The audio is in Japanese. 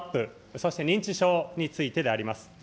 そして認知症についてであります。